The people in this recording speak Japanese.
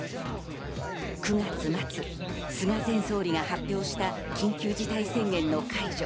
９月末、菅前総理が発表した緊急事態宣言の解除。